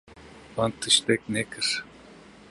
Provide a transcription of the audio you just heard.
Wan tiştek nekir.